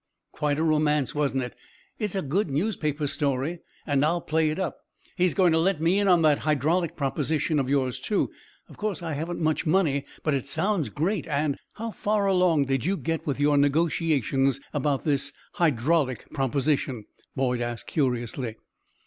"Quite a romance, wasn't it? It is a good newspaper story and I'll play it up. He is going to let me in on that hydraulic proposition of yours, too. Of course I haven't much money, but it sounds great, and " "How far along did you get with your negotiations about this hydraulic proposition?" Boyd asked, curiously.